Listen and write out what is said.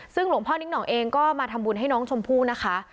ซึ่งหลวงพ่อนิ้งห่องเองก็มาทำบุญให้น้องชมพู่นะคะ